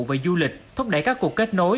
và du lịch thúc đẩy các cuộc kết nối